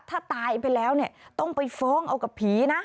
ถ้าตายไปแล้วเนี่ยต้องไปฟ้องเอากับผีนะ